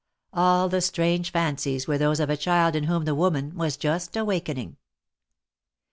All the strange fancies were those of a child in whom the woman was just awakening.